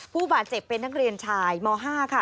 ผู้บาดเจ็บเป็นนักเรียนชายม๕ค่ะ